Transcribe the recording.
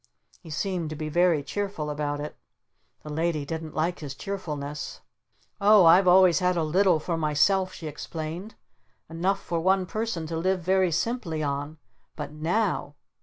He seemed to be very cheerful about it. The Lady didn't like his cheerfulness. "Oh I've always had a little for myself," she explained. "Enough for one person to live very simply on. But NOW